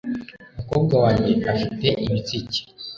umukobwa wanjye afite ibitsike